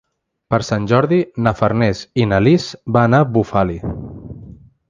Per Sant Jordi na Farners i na Lis van a Bufali.